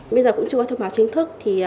bây giờ cũng chưa có thông báo chính thức